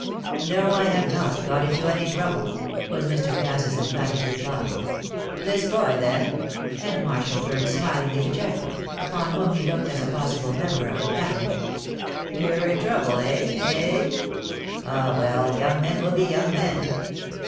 "No, I have not got into any trouble," was Mr. Cass's emphatic reply. "This boy, then?" and Marshall turned smilingly to Geoffrey, upon whom he looked as a possible member of the family. "You're in trouble eh, eh? Ah, well, young men will be young men!"